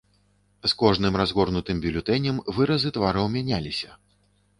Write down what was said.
З кожным разгорнутым бюлетэнем выразы твараў мяняліся.